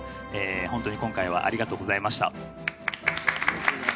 本当に今回はありがとうございました。